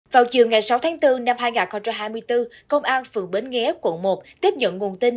vào chiều ngày sáu tháng bốn năm hai nghìn hai mươi bốn công an phường bến nghé quận một tiếp nhận nguồn tin